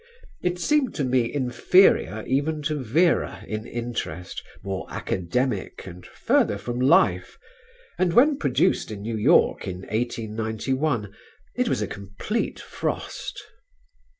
It seems to me inferior even to "Vera" in interest, more academic and further from life, and when produced in New York in 1891 it was a complete frost.